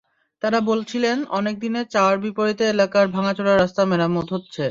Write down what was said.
তাঁরা বলছিলেন, অনেক দিনের চাওয়ার বিপরীতে এলাকার ভাঙাচোরা রাস্তা মেরামত হচ্ছে।